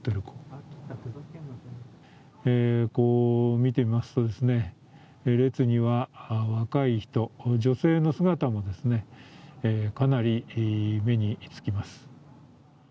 見てますと、列には若い人、女性の姿もかなり目につきます。